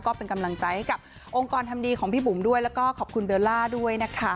ก็เป็นกำลังใจให้กับองค์กรทำดีของพี่บุ๋มด้วยแล้วก็ขอบคุณเบลล่าด้วยนะคะ